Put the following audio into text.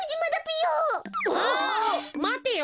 まてよ。